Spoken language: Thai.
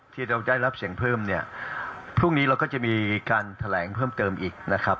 ที่เราได้รับเสียงเพิ่มเนี่ยพรุ่งนี้เราก็จะมีการแถลงเพิ่มเติมอีกนะครับ